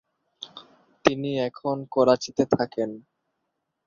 তিনি এখন করাচিতে থাকেন।